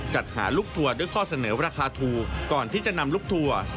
จัดหาลูกทัวร์ด้วยข้อเสนอราคาถูกก่อนที่จะนำลูกทัวร์